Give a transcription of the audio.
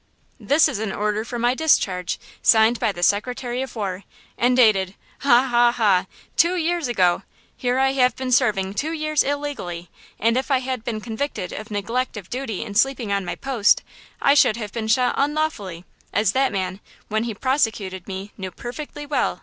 "This is an order for my discharge, signed by the Secretary of War, and dated–ha–ha–ha–two years ago! Here I have been serving two years illegally, and if I had been convicted of neglect of duty in sleeping on my post, I should have been shot unlawfully, as that man, when he prosecuted me, knew perfectly well!"